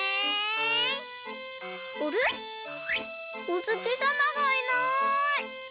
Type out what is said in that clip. おつきさまがいない。